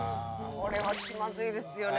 これは気まずいですよね。